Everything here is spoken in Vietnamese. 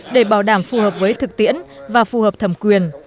để bảo đảm phù hợp với thực tiễn và phù hợp thẩm quyền